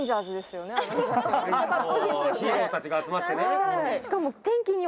ヒーローたちが集まってね。